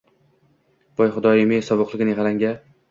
Voy, Xudoyim-ey, sovuqligini qarang-a!